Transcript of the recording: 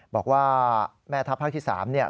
บอกว่าแม่ทัพภาคที่๓